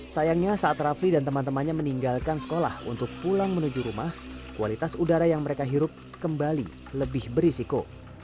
sayangnya saat rafli dan teman temannya meninggalkan sekolah untuk pulang menuju rumah kualitas udara yang mereka hirup kembali lebih berisiko